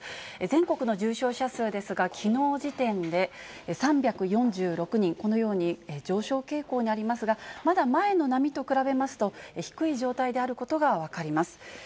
全国の重症者数ですが、きのう時点で、３４６人、このように上昇傾向にありますが、まだ前の波と比べますと、低い状態であることが分かります。